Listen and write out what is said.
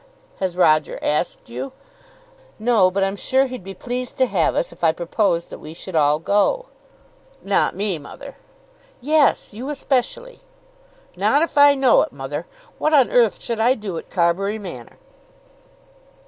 "Has Roger asked you?" "No; but I'm sure he'd be pleased to have us if I proposed that we should all go." "Not me, mother!" "Yes; you especially." "Not if I know it, mother. What on earth should I do at Carbury Manor?"